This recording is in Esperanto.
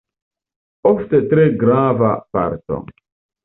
Ofte tre grava parto.